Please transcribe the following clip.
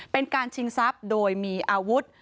เป็นการชิงทรัพย์โดยมีอาวุธ